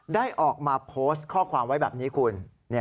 ได้ออกมาโพสต์ข้อความไว้แบบนี้คุณ